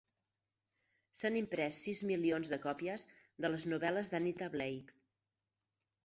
S'han imprès sis milions de còpies de les novel·les d'"Anita Blake".